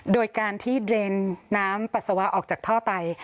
โดยการที่เดรนน้ำปัสสาวะออกจากท่อไต